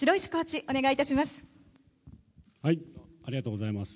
ありがとうございます。